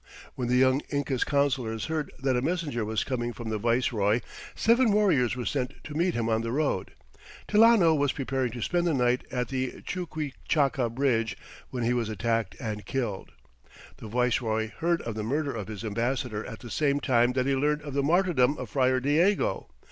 When the young Inca's counselors heard that a messenger was coming from the viceroy, seven warriors were sent to meet him on the road. Tilano was preparing to spend the night at the Chuquichaca bridge when he was attacked and killed. The viceroy heard of the murder of his ambassador at the same time that he learned of the martyrdom of Friar Diego.